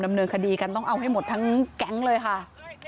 ดำเนินคดีกันต้องเอาให้หมดทั้งแก๊งเลยค่ะ